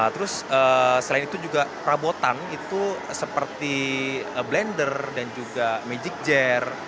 terus selain itu juga perabotan itu seperti blender dan juga magic jar